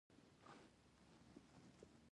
ایا ستاسو میاشت ګټوره وه؟